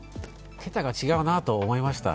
桁が違うなと思いました。